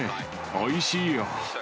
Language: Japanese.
おいしいよ。